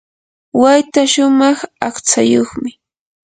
wayta shumaq aqtsayuqmi.